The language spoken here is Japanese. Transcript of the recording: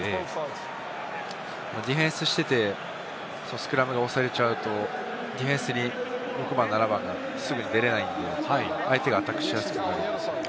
ディフェンスしてて、スクラムが押されちゃうと、ディフェンスに６番、７番がすぐ出れないんで相手がアタックしやすくなる。